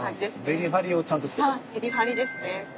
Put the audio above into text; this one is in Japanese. メリハリですね。